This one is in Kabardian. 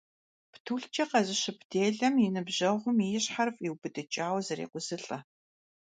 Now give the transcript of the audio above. Птулъкӏэ къэзыщып делэм я ныбжьэгъум и щхьэр фӏиубыдыкӏауэ зрекъузылӏэ.